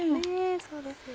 そうですね。